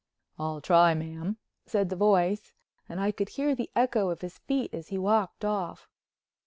"I'll try, ma'am," said the voice, and I could hear the echo of his feet as he walked off.